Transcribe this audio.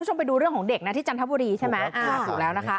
คุณผู้ชมไปดูเรื่องของเด็กนะที่จันทบุรีใช่ไหม